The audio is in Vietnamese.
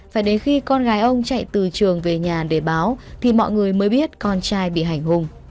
phải đến khi con gái ông chạy từ trường về nhà để báo thì mọi người mới biết con trai bị hành hùng